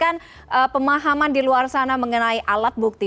yang harus diluruskan pemahaman di luar sana mengenai alat bukti